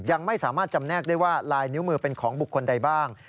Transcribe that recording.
ยังไม่สามารถจำแนกได้ว่าลายนิ้วมือเป็นของบุคคลใดบ้าง